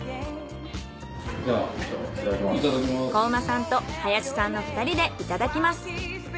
高麗さんと林さんの２人でいただきます。